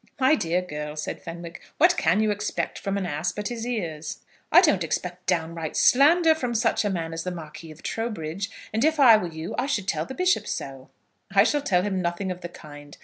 "My dear girl," said Fenwick, "what can you expect from an ass but his ears?" "I don't expect downright slander from such a man as the Marquis of Trowbridge, and if I were you I should tell the bishop so." "I shall tell him nothing of the kind.